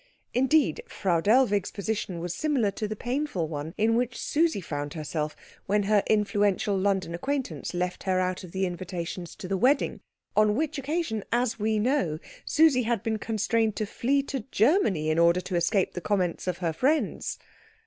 Indeed, Frau Dellwig's position was similar to that painful one in which Susie found herself when her influential London acquaintance left her out of the invitations to the wedding; on which occasion, as we know, Susie had been constrained to flee to Germany in order to escape the comments of her friends.